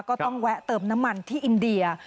ก็ต้องแวะเติบน้ำมันที่อินเดีย